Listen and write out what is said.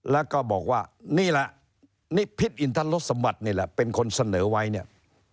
แล้วก็บอกว่านี่แหละนิพิษอินทรสมบัตินี่แหละเป็นคนเสนอไว้เนี่ย